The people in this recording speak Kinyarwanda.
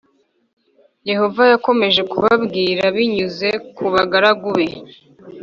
Yehova yakomeje kubabwira binyuze ku bagaragu be